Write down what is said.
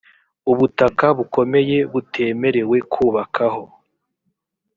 ubutaka bukomye butemerewe kubakaho